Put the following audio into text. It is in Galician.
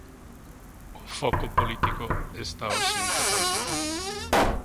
O foco político está hoxe en Cataluña.